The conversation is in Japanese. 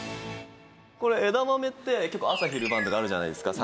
これ枝豆って朝昼晩とかあるじゃないですか